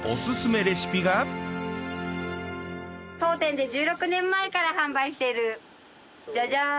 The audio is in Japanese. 当店で１６年前から販売しているジャジャーン！